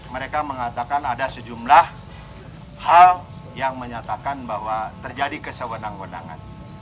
mereka mengatakan ada sejumlah hal yang menyatakan bahwa terjadi kesewenang wenangan